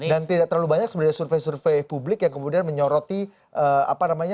dan tidak terlalu banyak survei survei publik yang kemudian menyoroti apa namanya